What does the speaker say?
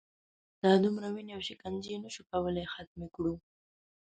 دا دومره وینې او شکنجې نه شو کولای ختمې کړو.